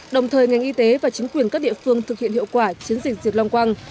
đồng thời ngành y tế và chính quyền các địa phương thực hiện hiệu quả chiến dịch diệt long quang